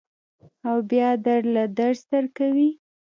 او بیا در له درس درکوي.